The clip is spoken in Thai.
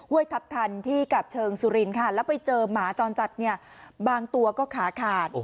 ทัพทันที่กาบเชิงสุรินค่ะแล้วไปเจอหมาจรจัดเนี่ยบางตัวก็ขาขาด